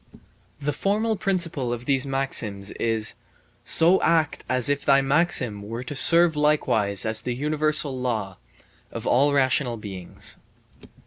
The formal principle of these maxims is: "So act as if thy maxim were to serve likewise as the universal law (of all rational beings)."